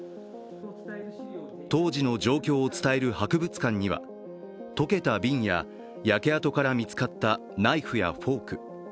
当時の状況を伝える博物館には溶けた瓶や焼け跡から見つかったナイフやフォーク。